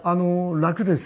楽です。